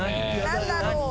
何だろう？